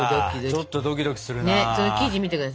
ちょっとドキドキするな。